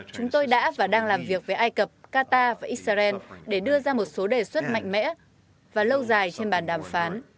chúng tôi đã và đang làm việc với ai cập qatar và israel để đưa ra một số đề xuất mạnh mẽ và lâu dài trên bàn đàm phán